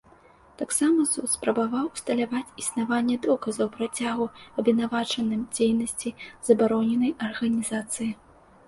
Таксама суд спрабаваў усталяваць існаванне доказаў працягу абвінавачаным дзейнасці забароненай арганізацыі.